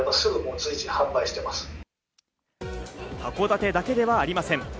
函館だけではありません。